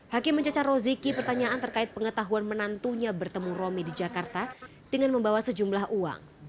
hakim mencecar roziki pertanyaan terkait pengetahuan menantunya bertemu romi di jakarta dengan membawa sejumlah uang